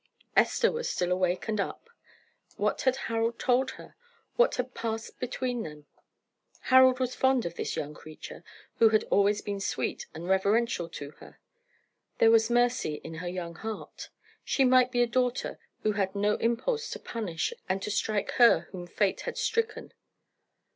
Esther was still awake and up. What had Harold told her what had passed between them? Harold was fond of this young creature, who had been always sweet and reverential to her. There was mercy in her young heart; she might be a daughter who had no impulse to punish and to strike her whom fate had stricken.